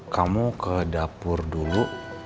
kamu ke dapur dulu